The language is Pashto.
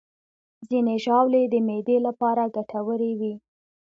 ځینې ژاولې د معدې لپاره ګټورې وي.